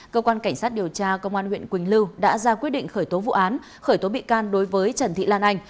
cơ quan cảnh sát điều tra công an huyện quỳnh lưu đã ra quyết định khởi tố vụ án khởi tố bị can đối với trần thị lan anh